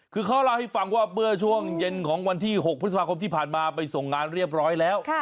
คือเขาเล่าให้ฟังว่าเมื่อช่วงเย็นของวันที่๖พฤษภาคมที่ผ่านมาไปส่งงานเรียบร้อยแล้ว